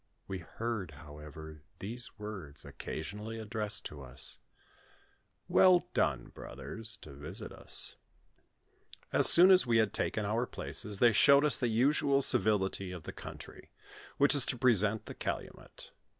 We heard, however, these words occasionally addressed to us :" Well done, brothers, to visit us !" As soon as we had taken our places, they showed us the usual civility of the country, which is to present the calumet.